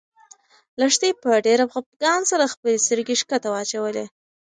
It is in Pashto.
لښتې په ډېر خپګان سره خپلې سترګې ښکته واچولې.